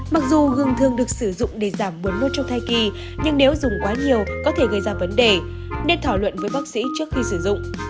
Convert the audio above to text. mặc dù gừng thường được sử dụng để giảm buồn nôn trong thai kỳ nhưng nếu dùng quá nhiều có thể gây ra vấn đề nên thảo luận với bác sĩ trước khi sử dụng